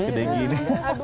sikit degi ini